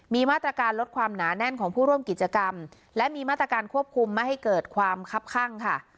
มีมาตรการลดความหนาแน่นของผู้ร่วมกิจกรรมและมีมาตรการควบคุมไม่ให้เกิดความคับข้างค่ะ